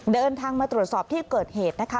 เดินทางมาตรวจสอบที่เกิดเหตุนะคะ